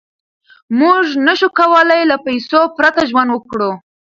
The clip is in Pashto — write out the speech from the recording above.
موږ نشو کولای له پیسو پرته ژوند وکړو.